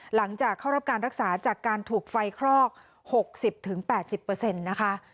หลังจากเข้ารับการรักษาจากการถูกไฟคลอก๖๐๘๐นะคะ